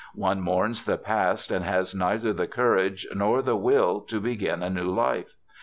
One mourns the past and has neither the courage nor the will to begin a new life.